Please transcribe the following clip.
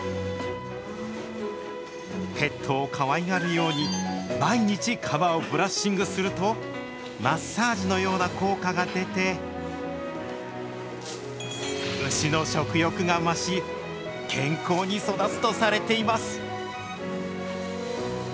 ペットをかわいがるように、毎日、皮をブラッシングすると、マッサージのような効果が出て、牛の食欲が増し、健康に育つとされています。